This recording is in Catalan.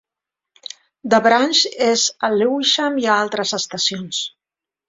The Branch és a Lewisham i a altres estacions.